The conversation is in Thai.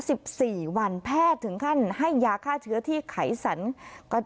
สิบสี่วันแพทย์ถึงขั้นให้ยาฆ่าเชื้อที่ไขสันก็